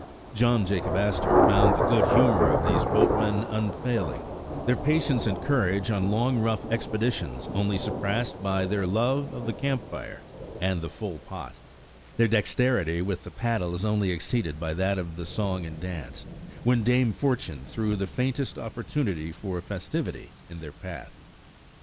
John Jacob Astor found the good humor of these boatmen unfailing, their pa tience and courage on long, rough expeditions only sur passed by their love of the camp fire and the full pot; their dexterity with the paddles only exceeded by that of the song and dance, when Dame Fortune threw the faintest opportunity for festivity in their path.